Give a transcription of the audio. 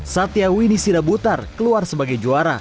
satya winisida butar keluar sebagai juara